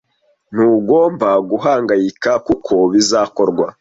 ntugomba guhangayika kuko bizakorwa